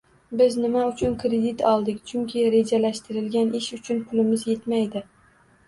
Biz nima uchun kredit oldik? Chunki rejalashtirilgan ish uchun pulimiz yetmaydi